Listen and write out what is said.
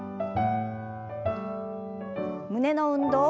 胸の運動。